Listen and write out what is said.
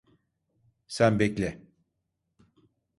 Sen bekle.